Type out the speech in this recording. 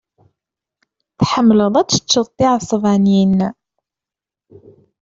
Tḥemmleḍ ad teččeḍ tiɛesbanin.